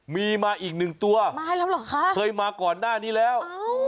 มีมาอีกหนึ่งตัวมาแล้วเหรอคะเคยมาก่อนหน้านี้แล้ว